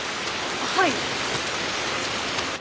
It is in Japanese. はい。